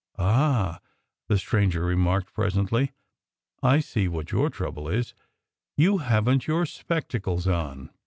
"Ah!" the stranger remarked presently. "I see what your trouble is. You haven't your spectacles on!"